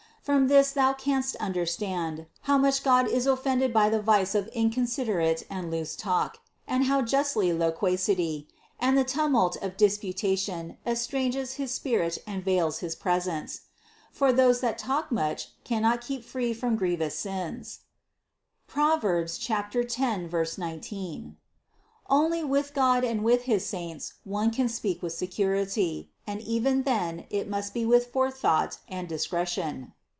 From this thou canst understand, how much God is offended by the vice of inconsiderate and loose talk, and how justly loquacity, and the tumult of disputation estranges his spirit and veils his presence. For, those that talk much, cannot keep free from grievous sins (Prov 10, 19). Only with God and with his saints one can speak with security, and even then it must be with forethought and discre tion.